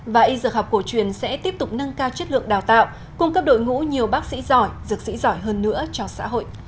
và y dược học cổ truyền sẽ tiếp tục nâng cao chất lượng đào tạo cung cấp đội ngũ nhiều bác sĩ giỏi dược sĩ giỏi hơn nữa cho xã hội